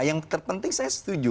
yang terpenting saya setuju